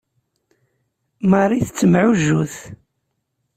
Marie tettemɛujjut.